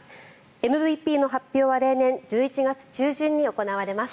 ＭＶＰの発表は例年１１月中旬に行われます。